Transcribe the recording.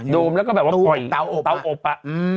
มแล้วก็แบบว่าปล่อยเตาอบอะ